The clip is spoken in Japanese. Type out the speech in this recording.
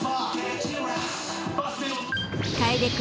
［楓君